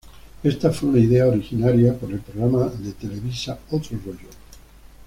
Esta fue una idea originaria por el programa de Televisa, Otro Rollo.